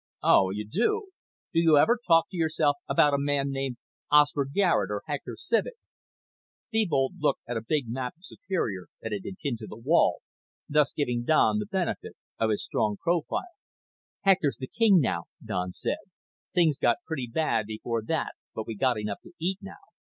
"Oh, you do. Do you ever talk to yourself about a man named Osbert Garet or Hector Civek?" Thebold looked at a big map of Superior that had been pinned to the wall, thus giving Don the benefit of his strong profile. "Hector's the king now," Don said. "Things got pretty bad before that but we got enough to eat now."